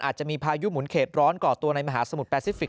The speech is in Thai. อาจจะมีพายุหมุนเขตร้อนก่อตัวในมหาสมุทรแปซิฟิก